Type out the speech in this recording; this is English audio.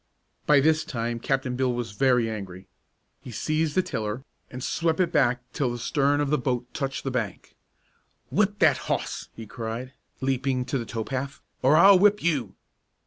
By this time Captain Bill was very angry. He seized the tiller, and swept it back till the stern of the boat touched the bank. "Whip that hoss!" he cried, leaping to the tow path, "or I'll whip you!"